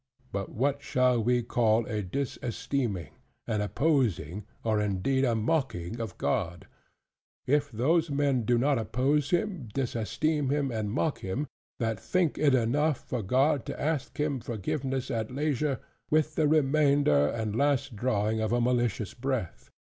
But what shall we call a disesteeming, an opposing, or (indeed) a mocking of God: if those men do not oppose Him, disesteem Him, and mock Him, that think it enough for God, to ask Him forgiveness at leisure, with the remainder and last drawing of a malicious breath?